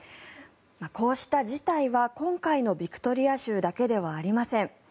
こうした辞退は今回のビクトリア州だけではありません。